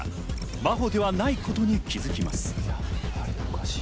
真帆ではないことに気づきます。